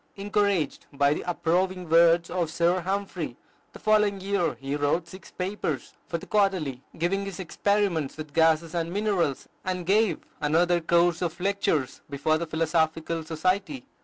Encouraged by the approving words of Sir Humphry, the following year he wrote six papers for the "Quarterly," giving his experiments with gases and minerals, and gave another course of lectures before the Philosophical Society.